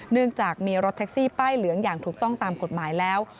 เนื่องจากมีรถแท็กซี่ป้ายเหลืองอย่างถูกต้องตามกฎหมายแล้ว